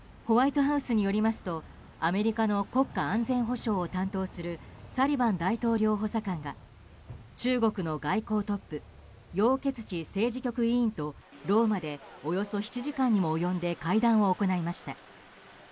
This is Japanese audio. ホワイトハウスによりますとアメリカの国家安全保障を担当するサリバン大統領補佐官が中国の外交トップヨウ・ケツチ政治局委員とローマでおよそ７時間にも及んで会談を行いました。